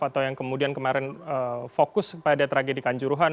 atau yang kemudian kemarin fokus pada tragedi kanjuruhan